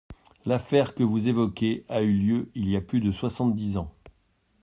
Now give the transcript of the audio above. L’affaire que vous évoquez a eu lieu il y a plus de soixante-dix ans.